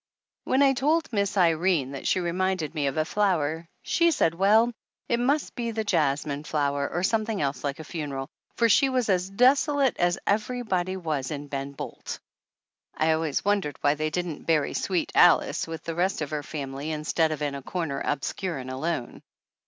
When I told Miss Irene that she reminded me of a flower, she said well, it must be the jasmine flower, or something else like a funeral, for she was as desolate as everybody was in Ben Bolt. (I always wondered why they didn't bury "Sweet Alice" with the rest of her family in stead of in a corner obscure and alone.)